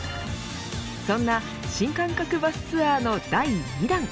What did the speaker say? そんな新感覚バスツアーの第２弾。